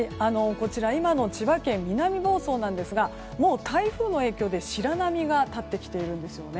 こちら、今の千葉県南房総なんですがもう台風の影響で白波が立ってきているんです。